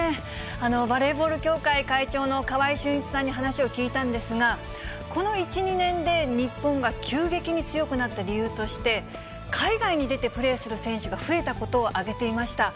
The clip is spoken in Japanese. バレーボール協会会長の川合俊一さんに話を聞いたんですが、この１、２年で日本が急激に強くなった理由として、海外に出てプレーする選手が増えたことを挙げていました。